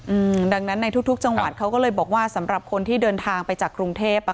อืมดังนั้นในทุกทุกจังหวัดเขาก็เลยบอกว่าสำหรับคนที่เดินทางไปจากกรุงเทพอ่ะ